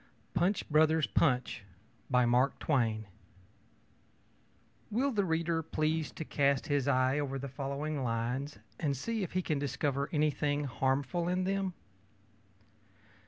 PUNCH, BROTHERS, PUNCH Will the reader please to cast his eye over the following lines, and see if he can discover anything harmful in them?